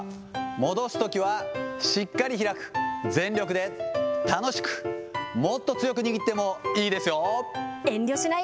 戻すときはしっかり開く、全力で楽しく、もっと強く握ってもいいですよ。